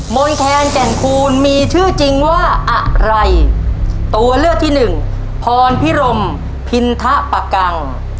นแคนแก่นคูณมีชื่อจริงว่าอะไรตัวเลือกที่หนึ่งพรพิรมพินทะปะกัง